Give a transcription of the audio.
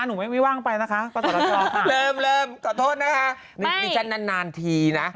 หนูไม่ว่างไปนะคะต่อค่ะเริ่มขอโทษนะคะนิชช์นั้นทีนะ